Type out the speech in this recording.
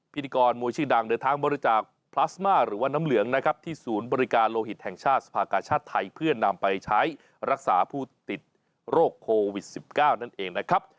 พิธีกรมวยชื่อดังเดินทางบริจาคพลาสมาหรือว่าน้ำเหลืองนะครับที่ศูนย์บริการโลหิตแห่งชาติสภากาชาติไทยเพื่อนำไปใช้รักษาผู้ติดโรคโควิด๑๙นั่นเองนะครับ